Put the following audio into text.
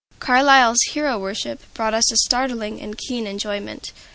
Carlyle's "Hero Worship" brought us a startling and keen enjoyment.